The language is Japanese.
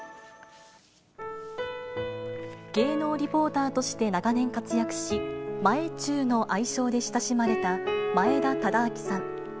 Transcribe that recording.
芸能リポーターとして長年活躍し、前忠の愛称で親しまれた前田忠明さん。